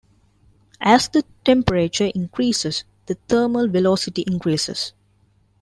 As the temperature increases, the thermal velocity increases.